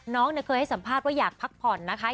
น้องเคยให้สัมภาษณ์ว่าอยากพักผ่อนนะคะ